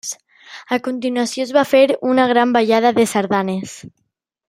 A continuació es va fer una gran ballada de sardanes.